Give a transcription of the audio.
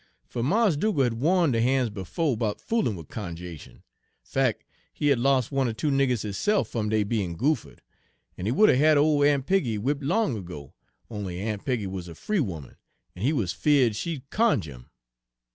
"Fer Mars' Dugal' had warned de han's befo' 'bout foolin'wid cunju'ation; fac', he had los' one er two niggers hisse'f fum dey bein' goophered, en he would 'a' had ole Aun' Peggy whip' long ago, on'y Aun' Peggy wuz a free 'oman, en he wuz 'feard she'd cunjuh him.